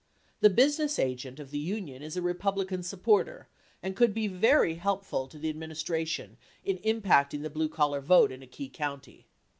The Business Agent of the Union is a Republican supporter and could be very helpful to the Ad ministration in impacting the blue collar vote in a key county.